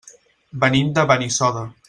Venim de Benissoda.